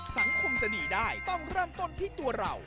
สังคมจะดีได้ต้องเริ่มต้นที่ตัวเรา